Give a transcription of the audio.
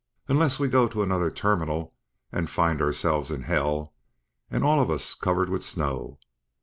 unless we go to another terminal and find oursilves in hell, and us all covered wid snow.